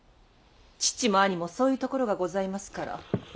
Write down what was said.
父も兄もそういうところがございますから。